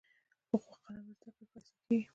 پخو قلمه زده کړه ښایسته کېږي